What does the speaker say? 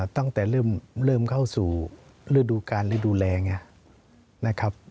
ตั้งแต่เริ่มเข้าสู่ฤดูการหรือดูแลไงนะครับ